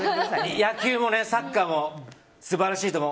野球もサッカーも素晴らしいと思う。